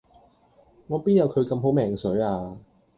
我邊有佢咁好命水呀